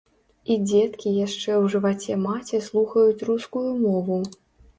І дзеткі яшчэ ў жываце маці слухаюць рускую мову.